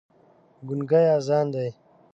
ګونګی اذان دی